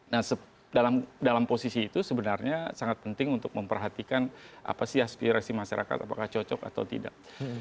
nah dalam posisi itu sebenarnya sangat penting untuk memperhatikan apa sih aspirasi masyarakat apakah cocok atau tidak